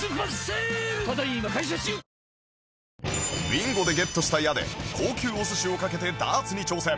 ビンゴでゲットした矢で高級お寿司をかけてダーツに挑戦